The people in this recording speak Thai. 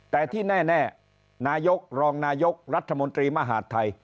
แต่ที่แน่นายกรองนายกรัฐมนตรีมหาดไทย